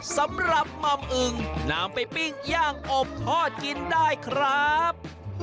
สำหรับหม่อมอึงนำไปปิ้งย่างอบทอดกินได้ครับ